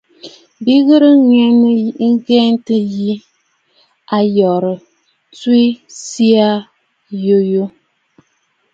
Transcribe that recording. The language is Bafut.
Bìʼì ghɨ̀rə ŋghɛ̀ɛ̀ ǹyə yi, a yoorə̀ ǹtswe tsiiʼì yùyù.